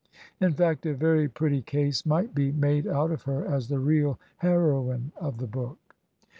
In fact, a very pretty case might be made out of her as the real heroine of the book.